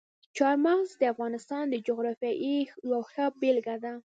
چار مغز د افغانستان د جغرافیې یوه ښه بېلګه ده.